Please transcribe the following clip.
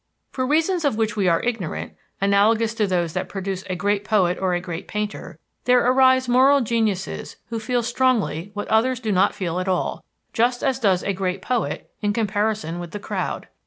For reasons of which we are ignorant, analogous to those that produce a great poet or a great painter, there arise moral geniuses who feel strongly what others do not feel at all, just as does a great poet, in comparison with the crowd.